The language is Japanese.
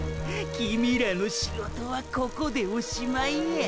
キミィらの仕事はここでおしまいや。